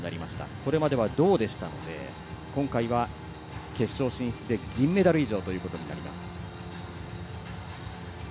これまでは銅でしたので今回は、決勝進出で銀メダル以上ということになります。